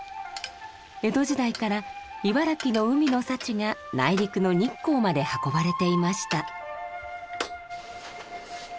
江戸時代から茨城の海の幸が内陸の日光まで運ばれていました。